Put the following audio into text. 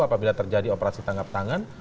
apabila terjadi operasi tangkap tangan